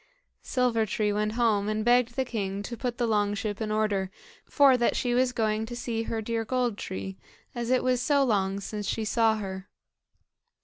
Silver tree went home, and begged the king to put the long ship in order, for that she was going to see her dear Gold tree, as it was so long since she saw her.